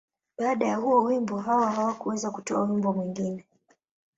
Baada ya huo wimbo, Hawa hakuweza kutoa wimbo mwingine.